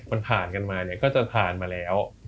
มันผ่านกันมาเนี่ยก็จะผ่านมาแล้ว